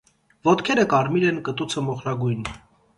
Ոտքերը կարմիր են, կտուցը՝ մոխրագույն։